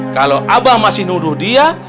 kalau abah masih nuduh dia